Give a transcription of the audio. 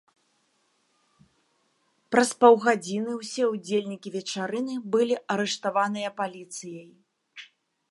Праз паўгадзіны ўсе ўдзельнікі вечарыны былі арыштаваныя паліцыяй.